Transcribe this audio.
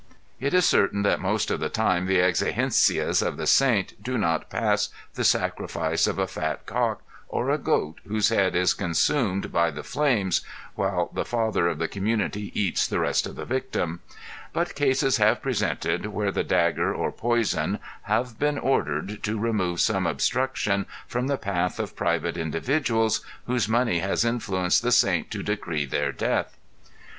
It is certain that most of the time the exigencias of the saint do not pass the sacrifice of a fat cock, or a goat whose head is consumed by the flames (while the father of the community eats the rest of the victim), but cases have presented where the dagger or poison, have been ordered to remove some obstruction from the path of private individuals, whose money has influenced the saint to decree their death.